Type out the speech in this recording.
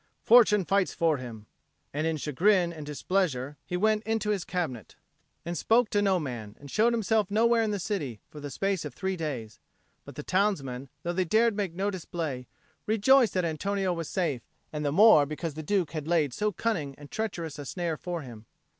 Fortune fights for him;" and in chagrin and displeasure he went into his cabinet, and spoke to no man, and showed himself nowhere in the city, for the space of three days. But the townsmen, though they dared make no display, rejoiced that Antonio was safe, and the more because the Duke had laid so cunning and treacherous a snare for him.